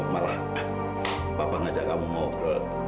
mara papa mengajak kamu mau